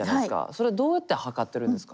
それどうやって測ってるんですか？